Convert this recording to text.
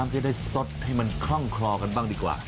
จะได้สดให้มันคล่องคลอกันบ้างดีกว่า